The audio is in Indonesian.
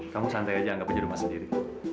kamu santai aja nggak punya rumah sendiri